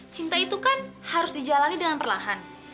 cinta itu kan harus dijalani dengan perlahan